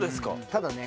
ただね